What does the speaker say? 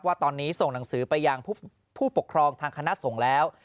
ว่าตอนนี้ส่งหนังสือไปยังผู้ปกครองทางคณะสงฆ์แล้ว